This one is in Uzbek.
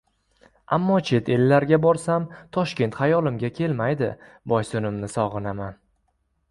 Ammo chet ellarga borsam Toshkent xayolimga kelmaydi, Boysunimni sog‘inaman.